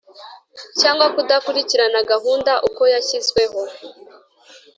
cyangwa kudakurikirana gahunda uko yashyizweho